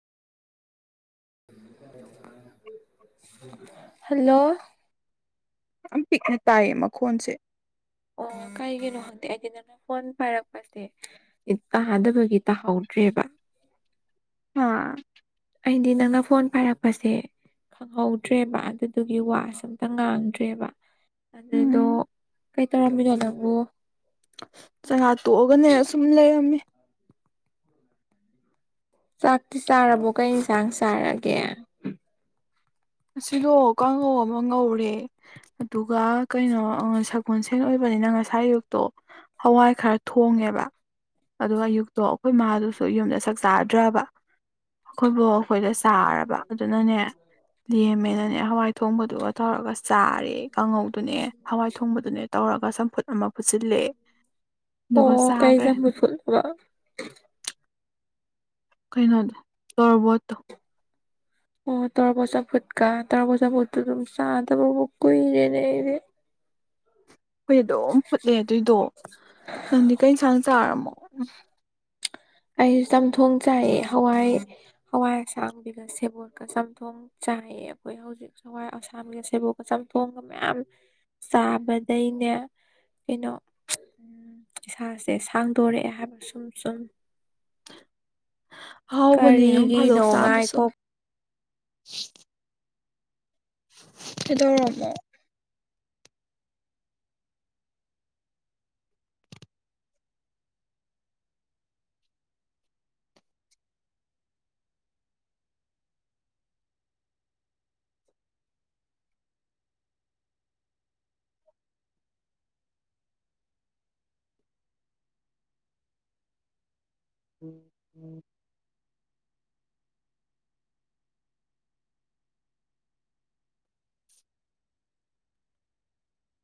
hello ꯌꯥꯝ ꯄꯤꯛꯅ ꯇꯥꯏꯌꯦ ꯃꯈꯣꯟꯁꯦ ꯑꯣ ꯀꯩꯒꯤꯅꯣ ꯈꯪꯗꯦ ꯑꯩꯗꯤ ꯅꯪꯅ ꯐꯣꯟ ꯄꯥꯏꯔꯛꯄꯁꯦ ꯇꯥꯗꯕꯒꯤ ꯇꯥꯛꯍꯥꯎ ꯇ꯭ꯕ ꯑꯥ ꯑꯩꯗꯤ ꯅꯪꯅ ꯐꯣꯟ ꯄꯥꯏꯔꯛꯄꯁꯦ ꯈꯪꯍꯧꯗ꯭ꯔꯦꯕ ꯑꯗꯨꯗꯨꯒꯤ ꯋꯥꯁ ꯑꯝꯇ ꯉꯥꯡꯗ꯭ꯔꯦꯕ ꯑꯗꯨꯗꯣ ꯎꯝ ꯀꯩ ꯇꯧꯔꯝꯃꯤꯗꯣ ꯅꯪꯕꯨ ꯆꯉꯥ ꯇꯣꯛꯑꯒꯅꯦ ꯁꯨꯝ ꯂꯩꯔꯝꯃꯤ ꯆꯥꯛꯇꯤ ꯆꯥꯔꯕꯣ ꯀꯩ ꯏꯟꯁꯥꯡ ꯆꯥꯔꯒꯦ ꯑꯁꯤꯗꯣ ꯀꯥꯡꯉꯧ ꯑꯃ ꯉꯧꯔꯦ ꯑꯗꯨꯒ ꯀꯩꯅꯣ ꯁꯒꯣꯜꯁꯦꯟ ꯑꯣꯏꯕ ꯑꯩꯅ ꯉꯁꯥꯏ ꯌꯌꯨꯛꯇꯣ ꯍꯋꯥꯏ ꯈꯔ ꯊꯣꯡꯉꯦꯕ ꯑꯗꯨꯒ ꯑꯌꯨꯛꯇꯣ ꯑꯩꯈꯣꯏ ꯃꯥꯥꯗꯨꯁꯨ ꯌꯨꯝꯗ ꯁꯛ ꯆꯥꯗ꯭ꯔꯕ ꯑꯩꯈꯣꯏꯕꯨ ꯑꯩꯈꯣꯏꯗ ꯆꯥꯔꯕ ꯑꯗꯨꯅꯅꯦ ꯂꯦꯝꯃꯦꯅꯅꯦ ꯍꯋꯥꯏ ꯊꯣꯡꯕꯗꯨꯒ ꯇꯧꯔꯒ ꯆꯥꯔꯦ ꯀꯥꯡꯉꯧꯗꯨꯅꯦ ꯍꯋꯥꯏ ꯊꯣꯡꯕꯗꯨꯅꯦ ꯇꯧꯔꯒ ꯁꯨꯝ ꯐꯨꯠ ꯑꯃ ꯐꯨꯠꯁꯤꯜꯂꯑꯦ ꯑꯣ ꯀꯥꯏꯖꯝ ꯍ ꯐꯜ ꯊꯕ ꯀꯩꯅꯣꯗ ꯇꯣꯔꯔꯕꯣꯠꯇꯣ ꯑꯣ ꯇꯔ ꯄꯁꯥ ꯐꯨꯠꯀꯥ ꯇꯔ ꯄꯁ ꯐꯨꯠꯇ ꯑꯗꯨꯝ ꯆꯥ ꯇ ꯐ ꯀꯔꯦꯅꯦꯔ ꯍꯈꯣꯏ ꯑꯗꯨꯝ ꯐꯨꯠꯂꯦ ꯑꯗꯨꯏꯗꯣ ꯅꯪꯗꯤ ꯀꯩ ꯏꯟꯁꯥꯡ ꯆꯥꯔꯝꯃꯣ ꯑꯩꯁꯨ ꯆꯝꯊꯣꯡ ꯆꯥꯏ ꯍꯋꯥꯏ ꯍꯋꯥꯏ ꯑꯁꯥꯡꯕꯤꯒ ꯁꯦꯕꯣꯠꯀ ꯆꯝꯊꯣꯡ ꯆꯥꯏꯌꯦ ꯑꯩꯈꯣꯏ ꯍꯧꯖꯤꯛ ꯍꯋꯥꯏ ꯑꯁꯥꯝꯒꯤ ꯁꯦꯕꯣꯛꯀ ꯆꯝꯊꯣꯡꯒ ꯃꯌꯥꯝ ꯆꯥꯕꯗꯩꯅꯦ ꯀꯩꯅꯣ ꯎ ꯏꯁꯥꯁꯦ ꯁꯥꯡꯗꯣꯔꯛꯑꯦ ꯍꯥꯏꯕ ꯁꯨꯝ ꯁꯨꯝ ꯍꯥꯎꯕꯅꯦꯅꯣ ꯐꯥꯗꯣꯛ ꯀꯔꯤꯒꯤꯅꯣ ꯆꯥꯕꯁꯨ ꯉꯥꯏꯈꯣ ꯍꯗꯄ ꯎꯝ ꯎꯝ